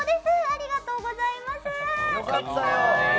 ありがとうございます、関さん！